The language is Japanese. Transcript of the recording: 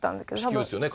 死球ですよね。